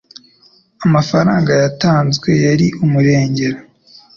amafaranga yatanzwe yari umurengera